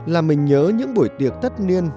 là mình nhớ những buổi tiệc tất niên